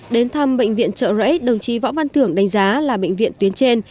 đến thăm bệnh viện trợ rẫy đồng chí võ văn thưởng đánh giá là bệnh viện tuyến trên